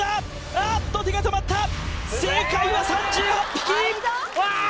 あっと手が止まった正解は３８匹！あーっ！